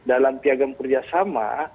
dalam piagam kerjasama